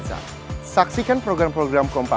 padahal di dalam nuinya tidak ada